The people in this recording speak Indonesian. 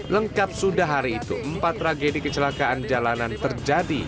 lengkap sudah hari itu empat tragedi kecelakaan jalanan terjadi